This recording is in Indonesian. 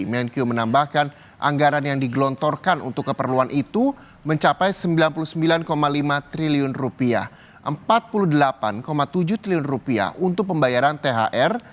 menkyu menambahkan anggaran yang digelontorkan untuk keperluan itu mencapai rp sembilan puluh sembilan lima triliun rp empat puluh delapan tujuh triliun untuk pembayaran thr